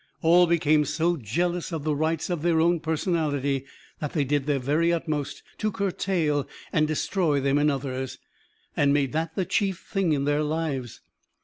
All became so jealous of the rights of their own personality that they did their very utmost to curtail and destroy them in others, and made that the chief thing in their lives.